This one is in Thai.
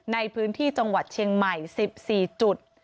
ในพื้นที่จังหวัดเชียงใหม่๑๔จุด